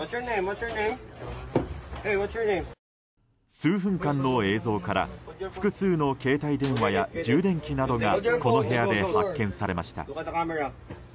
数分間の映像から複数の携帯電話や充電器などがこの部屋で発見されました。